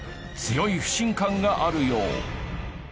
強い不信感があるよう。